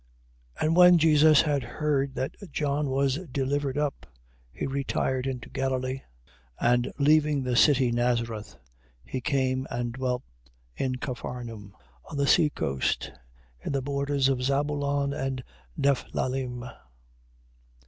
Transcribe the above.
4:12. And when Jesus had heard that John was delivered up, he retired into Galilee: 4:13. And leaving the city Nazareth, he came and dwelt in Capharnaum on the sea coast, in the borders of Zabulon and of Nephthalim; 4:14.